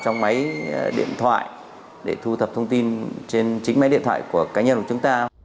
chúng ta có máy điện thoại để thu thập thông tin trên chính máy điện thoại của cá nhân của chúng ta